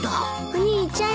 お兄ちゃん。